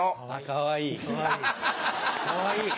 かわいい。